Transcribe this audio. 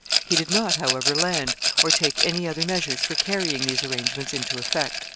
He did not, however, land, or take any other measures for carrying these arrangements into effect.